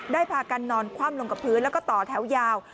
พากันนอนคว่ำลงกับพื้นแล้วก็ต่อแถวยาว